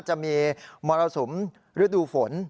จะมีมรสุมฤดูฝน